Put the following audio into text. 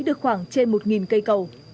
được khoảng trên một cây cầu